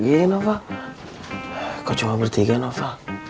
kok cuma bertiga nova